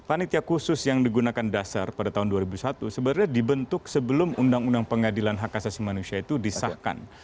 panitia khusus yang digunakan dasar pada tahun dua ribu satu sebenarnya dibentuk sebelum undang undang pengadilan hak asasi manusia itu disahkan